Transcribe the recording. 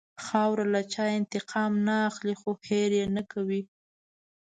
خاوره له چا انتقام نه اخلي، خو هېر نه کوي.